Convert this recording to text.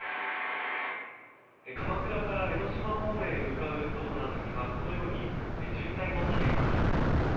鎌倉から江の島方面へ向かう道路なんですが渋滞が起きてます。